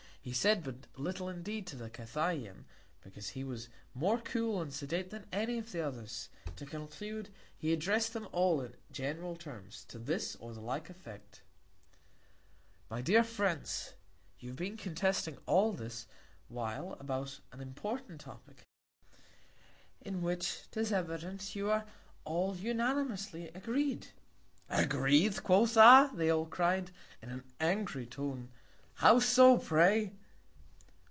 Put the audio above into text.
He said but little indeed to the Cathayian; because he was more cool, and sedate than any of the others. To conclude, he address'd them all in general Terms, to this or the like Effect: My dear Friends, You have been contesting all this while about an important Topick, in which 'tis evident, you are all unanimously agreed. Agreed, quotha! they all cried, in an angry Tone, How so, pray?